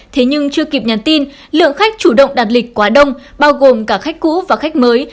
thế nhưng chưa kịp nhắn tin lượng khách chủ động đặt lịch quá đông bao gồm cả khách cũ và khách mới